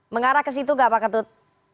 mengarah ke situ nggak pak ketut